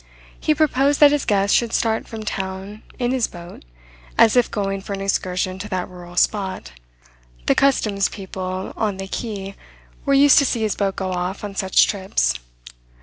He proposed that his guest should start from town in his boat, as if going for an excursion to that rural spot. The custom house people on the quay were used to see his boat go off on such trips.